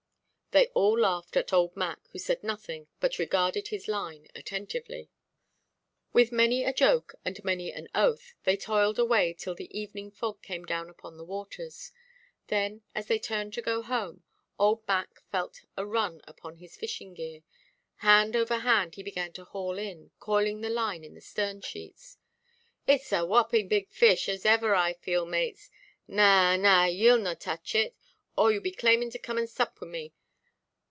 They all laughed at old Mac, who said nothing, but regarded his line attentively. With many a joke and many an oath, they toiled away till the evening fog came down upon the waters. Then, as they turned to go home, old Mac felt a run upon his fishing–gear. Hand over hand he began to haul in, coiling the line in the stern–sheets. "Itʼs a wapping big fish, as ever I feel, mates; na, na, yeʼll no touch it, or yeʼll be claiming to come and sup wi' me.